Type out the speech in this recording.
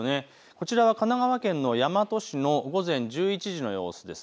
こちらは神奈川県の大和市の午前１１時の様子です。